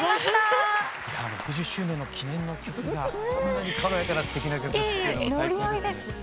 いや６０周年の記念の曲がこんなに軽やかなすてきな曲っていうのも最高ですね。